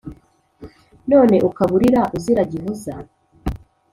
None ukaba urira uzira gihoza